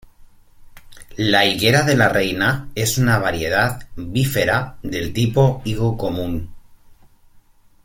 La higuera 'De La Reina' es una variedad "bífera" de tipo higo común.